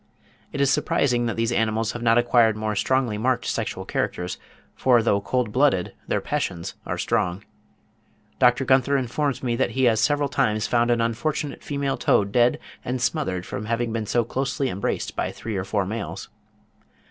It is surprising that these animals have not acquired more strongly marked sexual characters; for though cold blooded their passions are strong. Dr. Gunther informs me that he has several times found an unfortunate female toad dead and smothered from having been so closely embraced by three or four males.